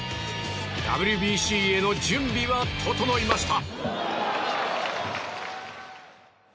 ＷＢＣへの準備は整いました。